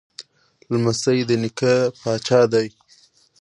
لمسی د نیکه پاچا دی.